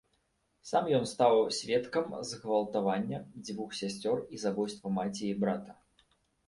Сам ён стаў сведкам згвалтавання дзвюх сясцёр і забойства маці і брата.